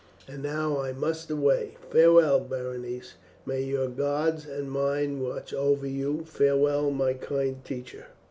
And now I must away. Farewell, Berenice! may your gods and mine watch over you! Farewell, my kind teacher!"